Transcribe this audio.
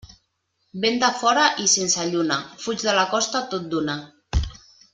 Vent de fora i sense lluna, fuig de la costa tot d'una.